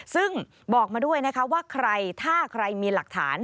ซึ่งบอกมาด้วยนะคะว่าใครถ้าใครมีหลักฐาน